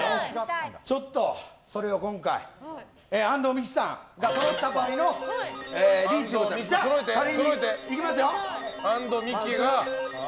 ちょっとそれを今回安藤美姫さんがそろった場合のリーチのを仮でいきますよ。